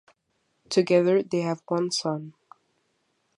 Together they have one son.